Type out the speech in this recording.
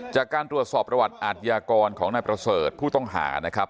จากการตรวจสอบประวัติอาทยากรของนายประเสริฐผู้ต้องหานะครับ